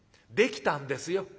できたんですよ」。